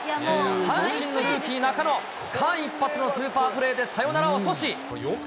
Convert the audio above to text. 阪神のルーキー、中野、間一髪のスーパープレーでサヨナラを阻止。